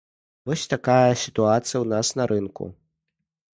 Вось такая сітуацыя ў нас на рынку.